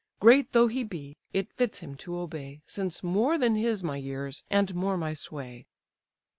Great though he be, it fits him to obey, Since more than his my years, and more my sway."